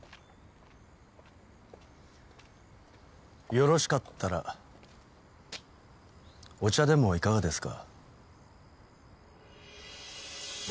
よろしかったらお茶でもいかがですか？